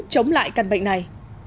chống lại căn bệnh này